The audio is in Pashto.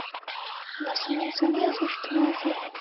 لاسونه انساني ارزښتونه ښيي